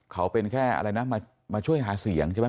เขาเป็นแค่อะไรนะมาช่วยหาเสียงใช่ไหม